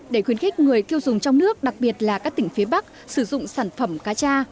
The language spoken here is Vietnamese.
để khuyến khích người tiêu dùng trong nước đặc biệt là các tỉnh phía bắc sử dụng sản phẩm cá cha